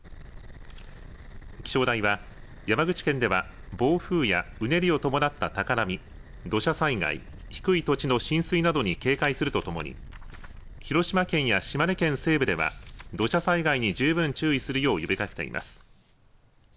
気象台は山口県では暴風や、うねりを伴った高波土砂災害、低い土地の浸水などに警戒するとともに広島県や島根県西部では土砂災害に十分注意するよう呼びかけています。